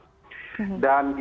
dan di dalam undang undang pmd ya